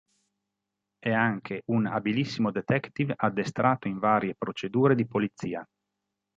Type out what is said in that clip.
È anche un abilissimo detective addestrato in varie procedure di polizia.